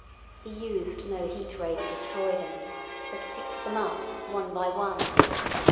He used no Heat Ray to destroy them, but picked them up one by one.